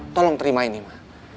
tolong terima ini ma